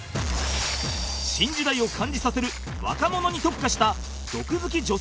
新時代を感じさせる若者に特化した毒づき